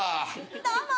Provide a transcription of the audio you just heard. どうも！